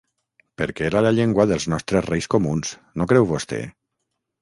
Perquè era la llengua dels nostres reis comuns, no creu vosté?